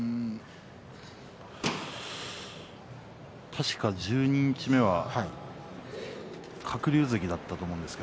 確か十二日目は鶴竜関だったと思います。